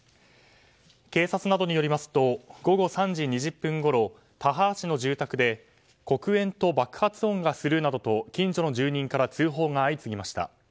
警察などによりますと午後３時２０分ごろ田原市の住宅で黒煙と爆発音がするなどと近所の住人から通報が相次ぎました。